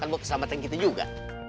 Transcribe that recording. kan buat kesahmatan kita juga